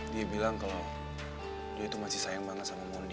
dia bilang kalau dia itu masih sayang banget sama mondi